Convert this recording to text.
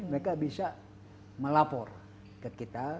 mereka bisa melapor ke kita